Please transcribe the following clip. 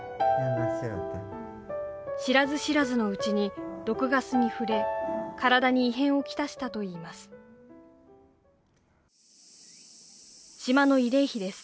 知らず知らずのうちに毒ガスに触れ体に異変をきたしたといいます島の慰霊碑です